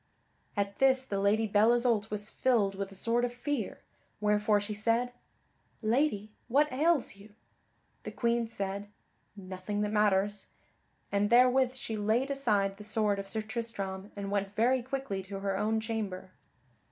At this the Lady Belle Isoult was filled with a sort of fear, wherefore she said, "Lady, what ails you?" The Queen said, "Nothing that matters," and therewith she laid aside the sword of Sir Tristram and went very quickly to her own chamber.